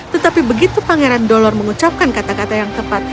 tetapi begitu pangeran dolor mengucapkan kata kata yang tepat